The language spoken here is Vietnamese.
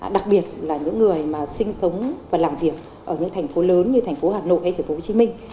đặc biệt là những người mà sinh sống và làm việc ở những thành phố lớn như thành phố hà nội hay thành phố hồ chí minh